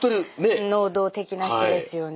能動的な人ですよね。